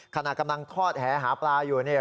ขณะกำลังทอดแหหาปลาอยู่เนี่ย